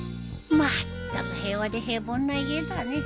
まったく平和で平凡な家だね。